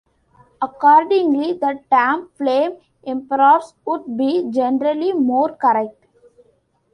Accordingly, the term "flame emperors" would be generally more correct.